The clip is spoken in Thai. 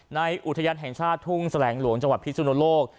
อุทยานแห่งชาติทุ่งแสลงหลวงจังหวัดพิสุนโลก